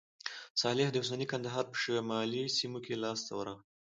صالح د اوسني کندهار په شمالي سیمو کې لاسته ورغی.